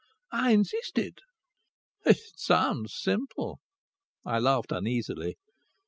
I insisted." "It sounds simple." I laughed uneasily.